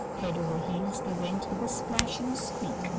Head over heels they went with a splash and a squeak.